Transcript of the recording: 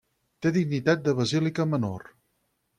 Té dignitat de basílica menor.